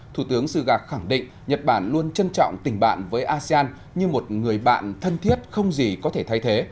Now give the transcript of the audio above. thủ tướng suga khẳng định nhật bản luôn trân trọng tình bạn với asean như một người bạn thân thiết không gì có thể thay thế